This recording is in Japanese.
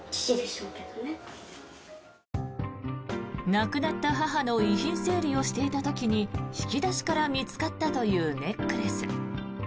亡くなった母の遺品整理をしていた時に引き出しから見つかったというネックレス。